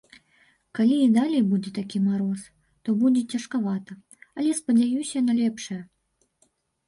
Калі і далей будзе такі мароз, то будзе цяжкавата, але спадзяюся на лепшае.